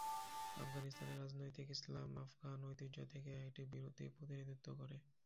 আফগানিস্তানে রাজনৈতিক ইসলাম আফগান ঐতিহ্য থেকে একটি বিরতি প্রতিনিধিত্ব করে।